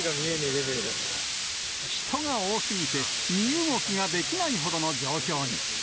レ人が多すぎて、身動きができないほどの状況に。